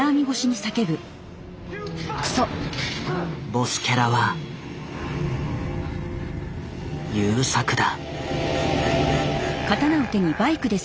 ボスキャラは優作だ。